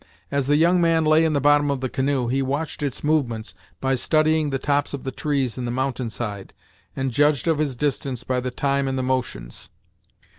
As the young man lay in the bottom of the canoe, he watched its movements by studying the tops of the trees on the mountainside, and judged of his distance by the time and the motions.